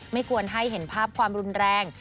ไม่ควรให้เห็นภาพความรุนแรง